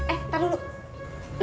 eh tar dulu